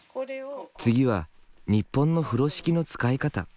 次は日本の風呂敷の使い方。